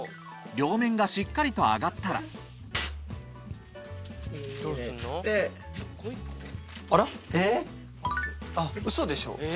両面がしっかりと揚がったらウソでしょ？